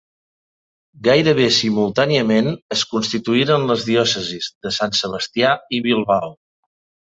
Gairebé simultàniament es constituïren les diòcesis de Sant Sebastià i Bilbao.